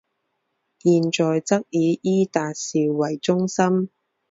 现在则以伊达邵为中心。